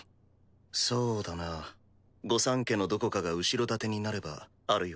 そうだな御三家のどこかが後ろ盾になればあるいは。